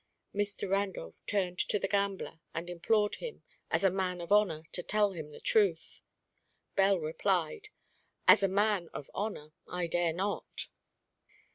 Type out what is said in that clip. Mr. Randolph turned to the gambler, and implored him, as a man of honour, to tell him the truth. Bell replied: "As a man of honour, I dare not."